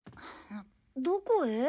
どこへ？